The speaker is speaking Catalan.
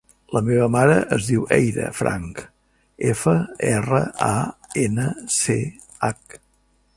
La meva mare es diu Eira Franch: efa, erra, a, ena, ce, hac.